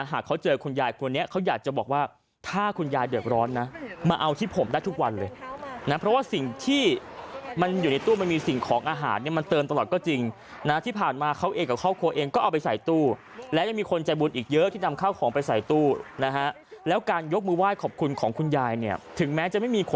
หากเขาเจอคุณยายคนนี้เขาอยากจะบอกว่าถ้าคุณยายเดือดร้อนนะมาเอาที่ผมได้ทุกวันเลยนะเพราะว่าสิ่งที่มันอยู่ในตู้มันมีสิ่งของอาหารเนี่ยมันเติมตลอดก็จริงนะที่ผ่านมาเขาเองกับครอบครัวเองก็เอาไปใส่ตู้และยังมีคนใจบุญอีกเยอะที่นำข้าวของไปใส่ตู้นะฮะแล้วการยกมือไห้ขอบคุณของคุณยายเนี่ยถึงแม้จะไม่มีค